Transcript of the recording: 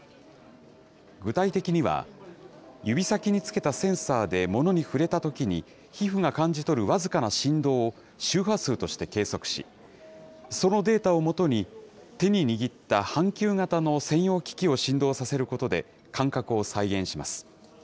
具体的には、指先につけたセンサーで物に触れたときに、皮膚が感じ取る僅かな振動を周波数として計測し、そのデータを基に、手に握った半球型の専用機器を振動させることで、感覚を再現します。